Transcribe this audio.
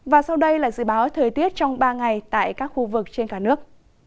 và sau đây là dự báo thời tiết trong ba ngày tại các khu vực trên cả nước